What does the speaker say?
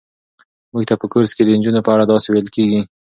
موږ ته په کورس کې د نجونو په اړه داسې ویل کېږي.